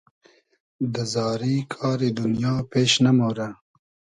دۂ زاری کاری دونیا پېش نئمۉرۂ